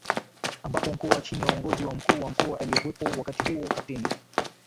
ambapo mkoa chini ya uongozi wa Mkuu wa Mkoa aliyekuwepo wakati huo Capteni